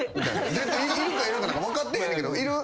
絶対いるかいらんかなんか分かってへんねんけど「いる？」